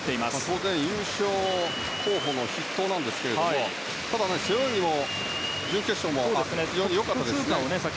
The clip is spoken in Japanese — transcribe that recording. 当然優勝候補の筆頭なんですがただ、背泳ぎの準決勝も非常に良かったですからね。